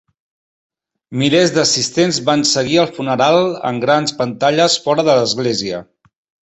Milers d'assistents van seguir el funeral en grans pantalles fora de l'església.